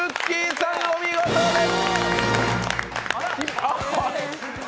さん、お見事です。